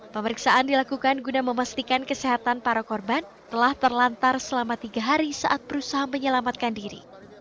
pemeriksaan dilakukan guna memastikan kesehatan para korban telah terlantar selama tiga hari saat berusaha menyelamatkan diri